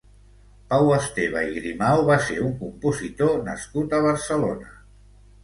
Pau Esteve i Grimau va ser un compositor nascut a Barcelona.